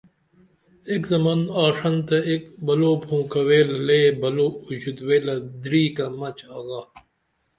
ایک زمن آشنتہ ایک بلو پھونکہ ویلہ لے بلو اوژوت ویلہ دریکہ مچ آگا